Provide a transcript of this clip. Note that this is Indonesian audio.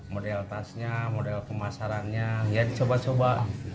model tasnya model pemasarannya ya dicoba coba